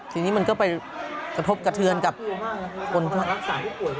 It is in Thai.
ทีนี้มันก็ไปกระทบกระเทือนกับคนที่รักษาผู้ป่วย